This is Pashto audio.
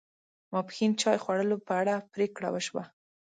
ماپښین چای خوړلو په اړه پرېکړه و شوه.